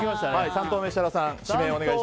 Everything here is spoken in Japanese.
３投目、設楽さん